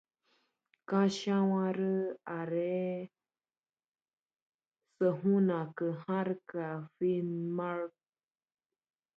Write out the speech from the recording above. Alta es un centro de transporte en Finnmark.